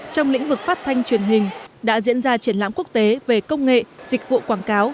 trong lĩnh vực phát thanh truyền hình đã diễn ra triển lãm quốc tế về công nghệ dịch vụ quảng cáo